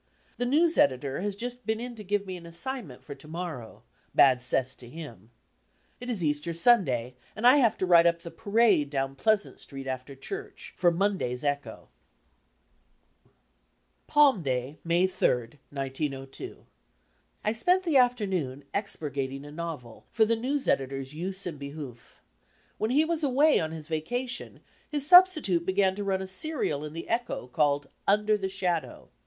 The news editor has just been in to give me an assignment for to morrow, bad 'cess to him. It is Easter Sunday, and I have to write up the 'parade' down Pleasant Street after church, for Monday's {<9] b, Google Patmday, May 3, 1902 I spent the afternoon "expurgating" a novel for the news editor's use and behoof. When he was away on his vacation his substitute began to nin a serial in the Echo called "Under the Shadow."